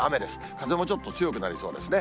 風もちょっと強くなりそうですね。